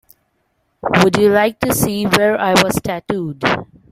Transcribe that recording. Would you like to see where I was tattooed?